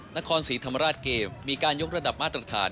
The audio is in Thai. นครศรีธรรมราชเกมมีการยกระดับมาตรฐาน